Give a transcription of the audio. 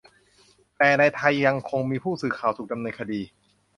แต่ในไทยยังคงมีผู้สื่อข่าวถูกดำเนินคดี